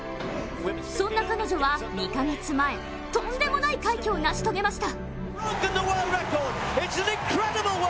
そんな彼女は２か月前、とんでもない快挙を成し遂げました。